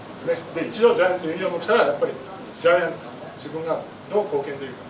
ジャイアンツのユニホームを着たら、ジャイアンツ、自分がどう貢献できるか。